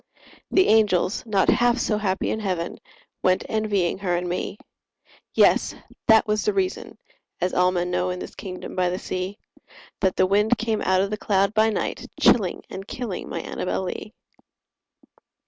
The angels, not half so happy in heaven, Went envying her and me— Yes!—that was the reason (as all men know, In this kingdom by the sea) That the wind came out of the cloud by night, Chilling and killing my Annabel Lee.